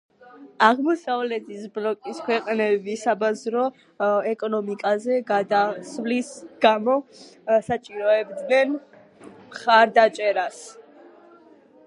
აღმოსავლეთის ბლოკის ქვეყნები საბაზრო ეკონომიკაზე გადასვლის გამო საჭიროებდნენ მხარდაჭერას.